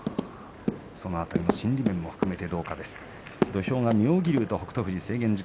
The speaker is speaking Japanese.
その辺りの心理面も含めてどうかというところです。